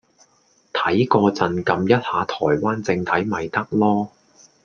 睇個陣㩒一下台灣正體咪得囉